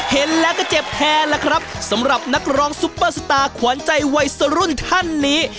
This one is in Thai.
เห็นแล้วก็เจ็บแทนล่ะครับสำหรับนักร้องซุปเปอร์สตาร์ขวานใจวัยสรุ่นท่านนี้